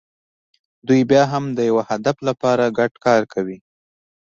دوی بیا هم د یوه هدف لپاره ګډ کار کوي.